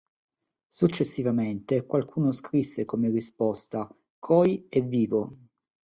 Successivamente, qualcuno scrisse come risposta: "Coj è vivo!